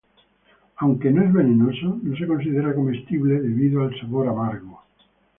Aunque no es venenoso, no se considera comestible debido al sabor amargo.